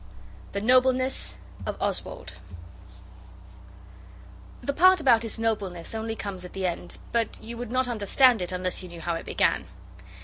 THE NOBLENESS OF OSWALD The part about his nobleness only comes at the end, but you would not understand it unless you knew how it began.